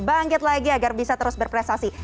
bangkit lagi agar bisa terus berprestasi